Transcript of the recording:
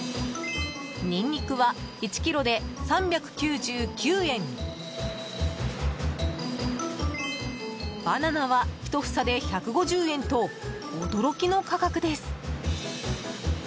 ニンニクは、１ｋｇで３９９円バナナは１房で１５０円と驚きの価格です。